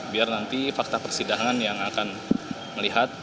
biar nanti fakta persidangan yang akan melihat